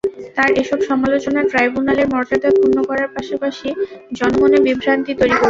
তাঁর এসব সমালোচনা ট্রাইব্যুনালের মর্যাদা ক্ষুণ্ন করার পাশাপাশি জনমনে বিভ্রান্তি তৈরি করবে।